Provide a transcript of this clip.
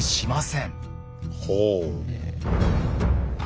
ほう。